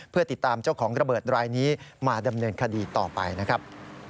เพื่อติดตามเจ้าของระเบิดรายนี้มาดำเนินคดีต่อไปนะครับ